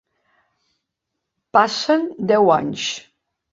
Passen deu anys.